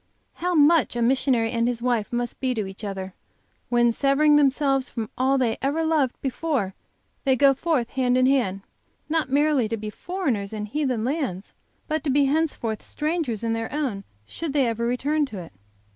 How much a missionary and his wife must be to each other, when, severing themselves from all they ever loved before, they go forth, hand in hand, not merely to be foreigners in heathen lands, but to be henceforth strangers in their own should they ever return to it!